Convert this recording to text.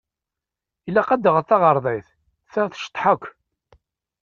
Ilaq ad d-taɣeḍ taɣerdayt, ta tceṭṭeḥ akk.